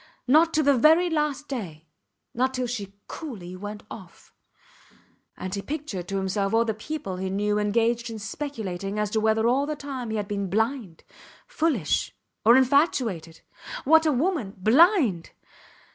Not to the very last day ... not till she coolly went off. And he pictured to himself all the people he knew engaged in speculating as to whether all that time he had been blind, foolish, or infatuated. What a woman! Blind!